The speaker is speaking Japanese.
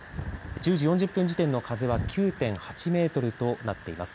１０時４０分時点の風は９．８メートルとなっています。